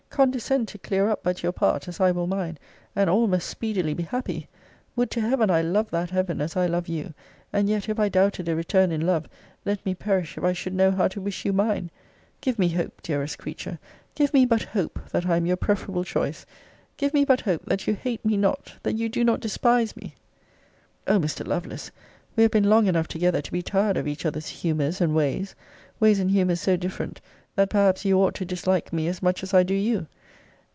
Condescend to clear up but your part, as I will mine, and all must speedily be happy. Would to Heaven I loved that Heaven as I love you! and yet, if I doubted a return in love, let me perish if I should know how to wish you mine! Give me hope, dearest creature, give me but hope, that I am your preferable choice! Give me but hope, that you hate me not: that you do not despise me. O Mr. Lovelace, we have been long enough together to be tired of each other's humours and ways; ways and humours so different, that perhaps you ought to dislike me, as much as I do you.